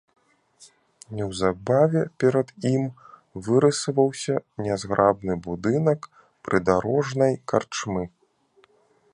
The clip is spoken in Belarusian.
Неўзабаве перад ім вырысаваўся нязграбны будынак прыдарожнай карчмы.